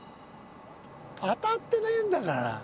当たってねえんだから！